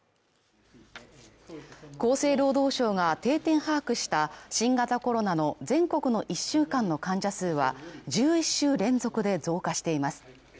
厚生労働省が定点把握した新型コロナの全国の１週間の患者数は１１週連続で増加しています。